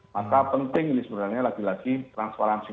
maka penting ini sebenarnya lagi lagi transparansi